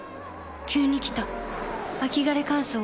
急に来た秋枯れ乾燥。